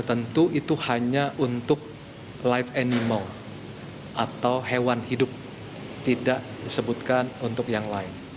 tentu itu hanya untuk life animal atau hewan hidup tidak disebutkan untuk yang lain